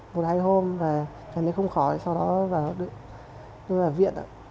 một hai hôm và cảm thấy không khó sau đó vào viện